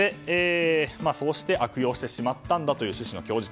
そうして悪用してしまったという趣旨の供述。